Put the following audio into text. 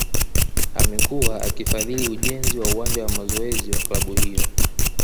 Amekuwa akifadhili ujenzi wa uwanja wa mazoezi wa klabu hiyo